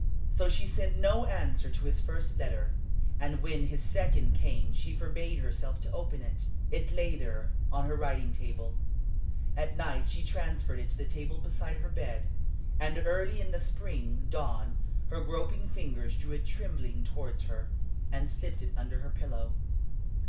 So she sent no answer to his first letter, and when his second came she forbade herself to open it. It lay there on her writing table. At night she transferred it to the table beside her bed, and early in the spring dawn her groping fingers drew it trembling towards her and slipped it under her pillow.